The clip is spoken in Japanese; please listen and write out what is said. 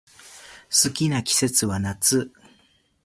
好きな季節は夏